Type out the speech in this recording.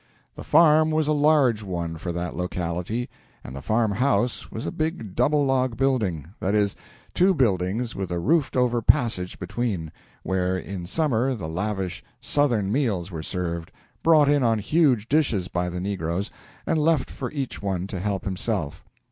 The farm was a large one for that locality, and the farm house was a big double log building that is, two buildings with a roofed over passage between, where in summer the lavish Southern meals were served, brought in on huge dishes by the negroes, and left for each one to help himself.